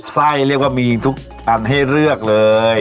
เรียกว่ามีทุกอันให้เลือกเลย